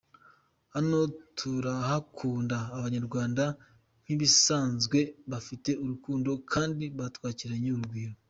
Hano turahakunda, Abanyarwanda nk’ibisanzwe bafite urukundo kandi batwakiranye urugwiro.